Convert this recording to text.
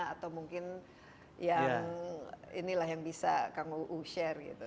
atau mungkin yang inilah yang bisa kang uu share gitu